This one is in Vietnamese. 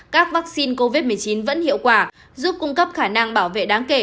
các vaccine covid một mươi chín vẫn hiệu quả giúp cung cấp khả năng bảo vệ đáng kể